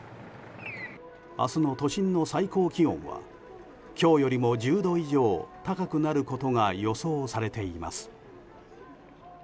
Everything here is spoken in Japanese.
明日の都心の最高気温は今日よりも１０度以上高くなることが予想されています。